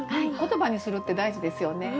言葉にするって大事ですよね。